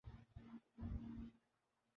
تو وہ مثبت اقدامات کا نتیجہ تھا یا منفی سیاست کا؟